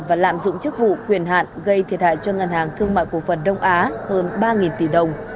và lạm dụng chức vụ quyền hạn gây thiệt hại cho ngân hàng thương mại cổ phần đông á hơn ba tỷ đồng